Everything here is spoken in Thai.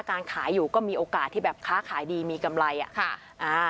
การขายอยู่ก็มีโอกาสที่แบบค้าขายดีมีกำไรอ่ะค่ะอ่า